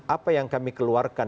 apa yang kami keluarkan